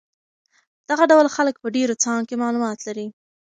دغه ډول خلک په ډېرو څانګو کې معلومات لري.